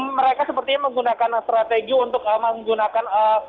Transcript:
mereka sepertinya menggunakan strategi untuk menggunakan